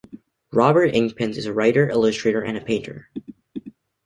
Robert Ingpen's is a writer, illustrator and a painter.